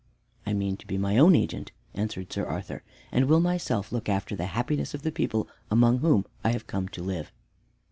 "I mean to be my own agent," answered Sir Arthur, "and will myself look after the happiness of the people among whom I have come to live."